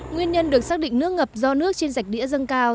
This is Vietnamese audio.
nguyên nhân được xác định nước ngập do nước trên rạch đĩa dân cao